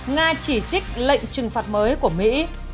nga chỉ trích lệnh trừng phạt mới của mỹ